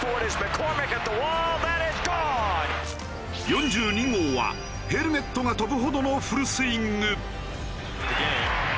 ４２号はヘルメットが飛ぶほどのフルスイング。